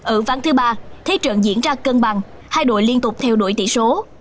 ở ván thứ ba thế trận diễn ra cân bằng hai đội liên tục theo đuổi tỷ số